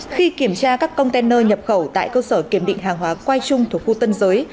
khi kiểm tra các container nhập khẩu tại cơ sở kiểm định hàng hóa quai trung thuộc khu tân giới